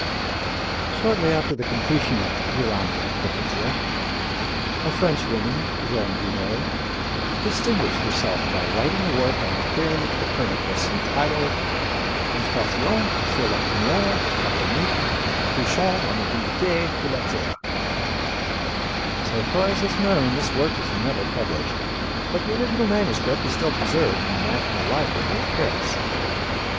" Shortly after the completion of Urania Propitia, a French woman, Jeanne Dumée, distinguished herself by writing a work on the theory of Copernicus entitled Entretiens sur l'Opinion de Copernic Touchant la Mobilité de la Terre. So far as known, this work was never published, but the original manuscript is still preserved in the National Library of Paris.